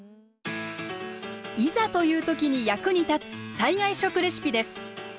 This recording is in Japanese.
いざという時に役に立つ災害食レシピです。